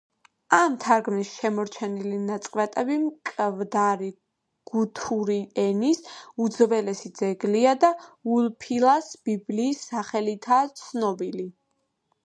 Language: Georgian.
ამ თარგმანის შემორჩენილი ნაწყვეტები მკვდარი გუთური ენის უძველესი ძეგლია და ულფილას ბიბლიის სახელითაა ცნობილი.